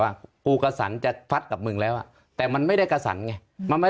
กูกระสันจะฟัดกับมึงแล้วแต่มันไม่ได้กระสันไง